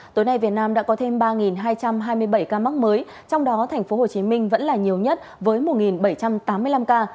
tối nay việt nam đã có thêm ba hai trăm hai mươi bảy ca mắc mới trong đó tp hcm vẫn là nhiều nhất với một bảy trăm tám mươi năm ca